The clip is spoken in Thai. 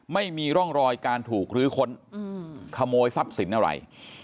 ไม่มีร่องรอยการถูกลื้อค้นขโมยทรัพย์สินอะไร